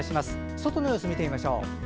外の様子を見てみましょう。